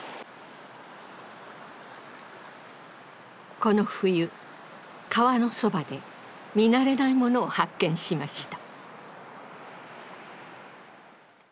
この冬川のそばで見慣れないものを発見しました。